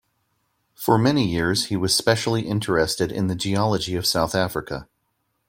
For many years he was specially interested in the geology of South Africa.